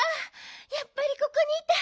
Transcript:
やっぱりここにいた。